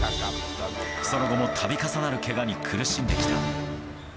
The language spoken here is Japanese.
その後も、たび重なるけがに苦しんできた。